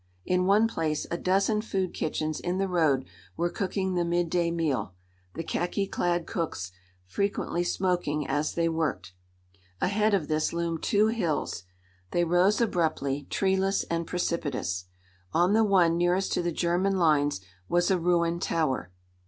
In one place a dozen food kitchens in the road were cooking the midday meal, the khaki clad cooks frequently smoking as they worked. Ahead of this loomed two hills. They rose abruptly, treeless and precipitous. On the one nearest to the German lines was a ruined tower.